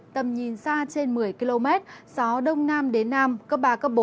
tầm nhìn xa trên một mươi km gió đông nam đến nam cấp ba cấp bốn